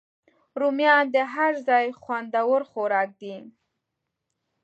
رومیان د هر ځای خوندور خوراک دی